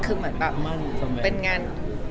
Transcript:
คือเหมือนแบบเป็นงาน